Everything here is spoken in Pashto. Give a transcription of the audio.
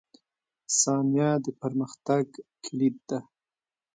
• ثانیه د پرمختګ کلید ده.